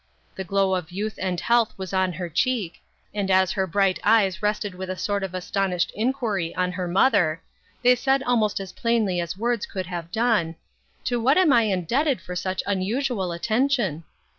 The glow of youth and health was on her cheek, and as her bright eyes rested with a sort of astonished inquiry on her mother, they said almost as plainly as words could have done, "To what am I indebted for UNWELCOME RESPONSIBILITIES. 47 such unusual attention